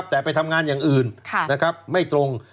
แต่ไปทำงานอย่างอื่นไม่ตรง